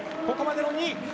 ここまでの２位。